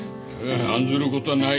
案ずることはない。